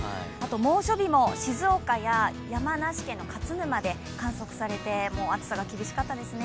猛暑日も静岡や山梨県の勝沼で観測されて、暑さが厳しかったですね。